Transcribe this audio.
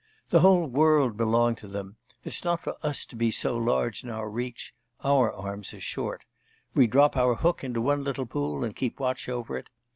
The whole world belonged to them; it's not for us to be so large in our reach; our arms are short. We drop our hook into one little pool, and keep watch over it.